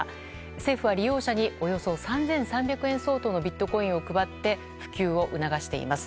政府は利用者におよそ３３００円相当のビットコインを配って普及を促しています。